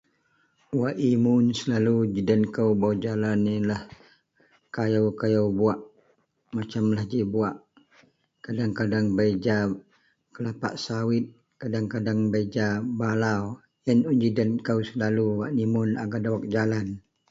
Wak imun selalu ji den kou baau jalan iyenlah kayou-kayou buwak masemlah.. ji buwak kadeang-kadeang bei ja kelapa sawit kadeang-kadeang bei ja balau iyen un ji den kou selalu wak imun a gak dawok jalan.